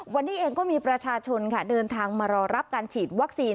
วันนี้เองก็มีประชาชนค่ะเดินทางมารอรับการฉีดวัคซีน